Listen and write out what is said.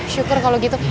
syukur kalau gitu